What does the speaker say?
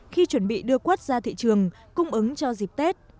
khi chuẩn bị đưa quất ra thị trường cung ứng cho dịp tết